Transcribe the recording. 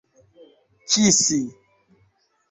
kisi